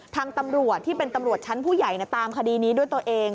ทางตำรวจที่เป็นตำรวจชั้นผู้ใหญ่ตามคดีนี้ด้วยตัวเอง